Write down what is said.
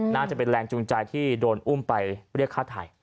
น่าจะเป็นแรงจูงใจที่โดนอุ้มไปเรียกฆ่าไทย